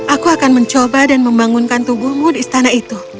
aku akan mencoba dan membangunkan tubuhmu di istana itu